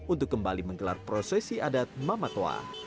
untuk kembali menggelar prosesi adat mamatua